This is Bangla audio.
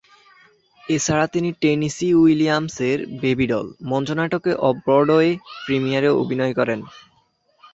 এছাড়া তিনি টেনেসি উইলিয়ামসের "বেবি ডল" মঞ্চনাটকের অফ-ব্রডওয়ে প্রিমিয়ারে অভিনয় করেন।